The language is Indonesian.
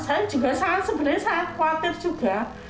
saya juga sebenarnya sangat khawatir juga